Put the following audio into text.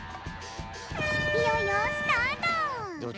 いよいよスタート！